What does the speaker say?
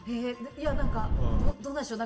いやどうなんでしょう